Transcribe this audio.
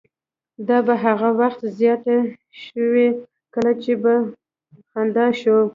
دا به هغه وخت زیاتې شوې کله به چې په خندا شو.